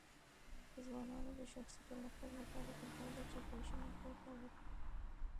د ځوانانو د شخصي پرمختګ لپاره پکار ده چې فیشن پوهه ورکړي.